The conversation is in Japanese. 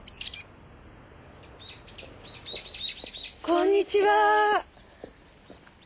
こんにちはー。